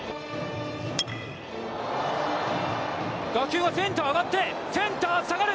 打球がセンター上がってセンター下がる。